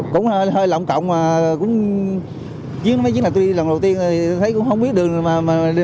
cũng hơi lộng cộng mà chứ không biết đường mà đi